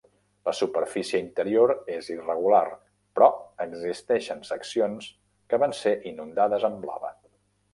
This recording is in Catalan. La superfície interior és irregular, però existeixen seccions que van ser inundades amb lava.